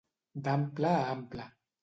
D'ample a ample.